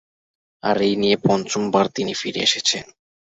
আর এই নিয়ে পঞ্চম বার তিনি ফিরে এসেছেন।